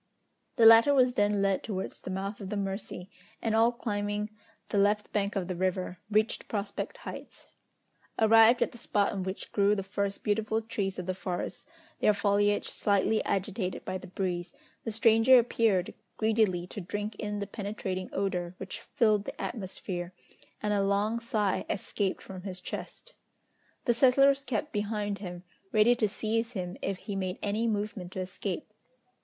The latter was then led towards the mouth of the Mercy, and all climbing the left bank of the river, reached Prospect Heights. Arrived at the spot on which grew the first beautiful trees of the forest, their foliage slightly agitated by the breeze, the stranger appeared greedily to drink in the penetrating odour which filled the atmosphere, and a long sigh escaped from his chest. The settlers kept behind him, ready to seize him if he made any movement to escape!